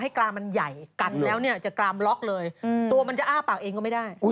เนี่ยเอามาเลี้ยงไม่เข้าใจว่ามาจากยังไง